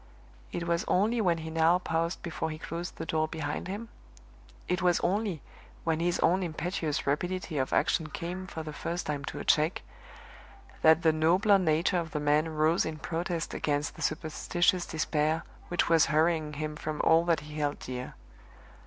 It was only when he now paused before he closed the door behind him it was only when his own impetuous rapidity of action came for the first time to a check, that the nobler nature of the man rose in protest against the superstitious despair which was hurrying him from all that he held dear.